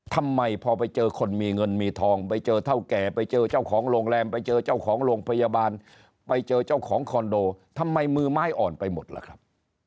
ทำไมพอไปเจอคนมีเงินมีทองไปเจอเท่าแก่ไปเจอเจ้าของโรงแรมไปเจอเจ้าของโรงพยาบาลไปเจอเจ้าของคอนโดทำไมมือไม้อ่อนไปหมดล่ะครับ